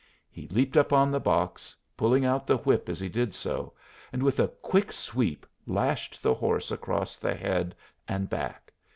He leaped up on the box, pulling out the whip as he did so, and with a quick sweep lashed the horse across the head and back.